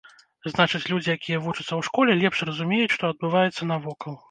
Значыць, людзі, якія вучацца ў школе, лепш разумеюць, што адбываецца навокал.